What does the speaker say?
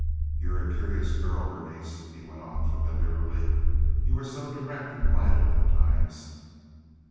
"You're a curious girl, Berenice," he went on, familiarly. "You are so direct and vital at times.